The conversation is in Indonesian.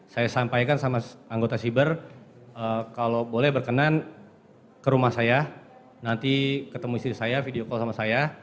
saya sampaikan sama anggota siber kalau boleh berkenan ke rumah saya nanti ketemu istri saya video call sama saya